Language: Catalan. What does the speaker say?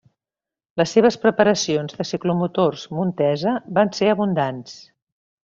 Les seves preparacions de ciclomotors Montesa varen ser abundants.